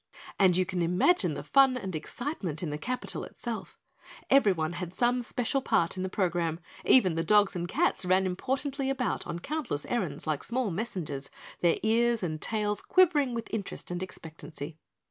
And you can imagine the fun and excitement in the capital itself. Everyone had some special part in the program, even the dogs and cats ran importantly about on countless errands like small messengers, their ears and tails quivering with interest and expectancy.